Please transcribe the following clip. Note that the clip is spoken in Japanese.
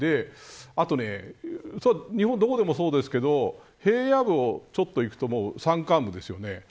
あと、日本どこでもそうですけど平野部をちょっと行くと山間部ですよね。